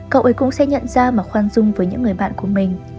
cậu ấy cũng sẽ nhận ra mà khoan dung với những người bạn của mình